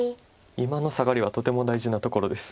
今のサガリはとても大事なところです。